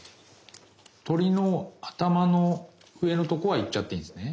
鳥の頭の上のとこは行っちゃっていいんですね？